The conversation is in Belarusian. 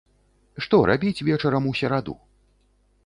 Што рабіць вечарам у сераду?